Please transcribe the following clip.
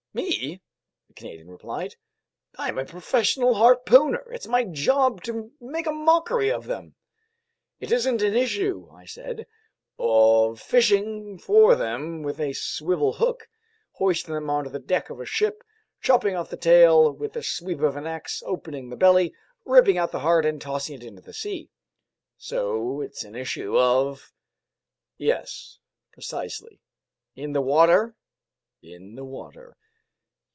"Me?" the Canadian replied. "I'm a professional harpooner! It's my job to make a mockery of them!" "It isn't an issue," I said, "of fishing for them with a swivel hook, hoisting them onto the deck of a ship, chopping off the tail with a sweep of the ax, opening the belly, ripping out the heart, and tossing it into the sea." "So it's an issue of ...?" "Yes, precisely." "In the water?" "In the water."